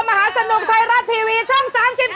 มหาสนุกไทยรัดทีวีช่องสามสิบสอง